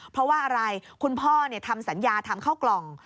เพราะว่าอะไรคุณพ่อทำสัญญาทำเข้ากล่อง